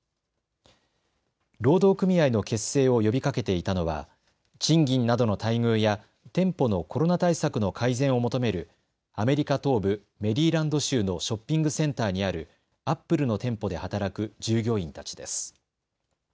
労働組合の結成を呼びかけていたのは賃金などの待遇や店舗のコロナ対策の改善を求めるアメリカ東部メリーランド州のショッピングセンターにあるアップルの店舗で働く従業員たちです。